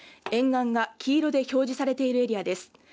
沿岸が黄色で表示されているエリアです。